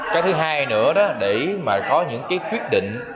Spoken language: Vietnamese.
cái thứ hai nữa đó để mà có những cái quyết định